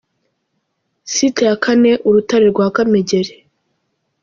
Site ya kane: Urutare rwa Kamegeri.